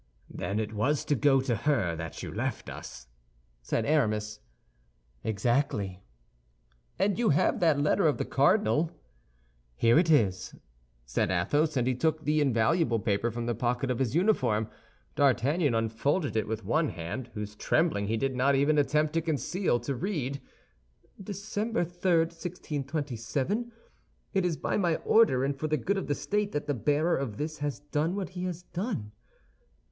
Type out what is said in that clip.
"Then it was to go to her that you left us?" said Aramis. "Exactly." "And you have that letter of the cardinal?" said D'Artagnan. "Here it is," said Athos; and he took the invaluable paper from the pocket of his uniform. D'Artagnan unfolded it with one hand, whose trembling he did not even attempt to conceal, to read: "Dec. 3, 1627 "It is by my order and for the good of the state that the bearer of this has done what he has done.